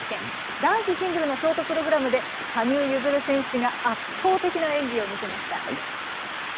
男子シングルのショートプログラムで、羽生結弦選手が圧倒的な演技を見せました。